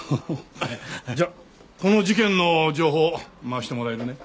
じゃあこの事件の情報回してもらえるね？